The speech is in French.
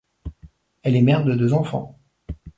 Elle est mère de deux garçons.